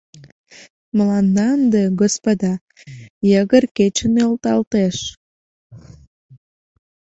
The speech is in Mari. — Мыланна ынде, господа, йыгыр кече нӧлталтеш!